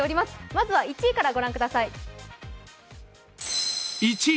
まずは１位から御覧ください。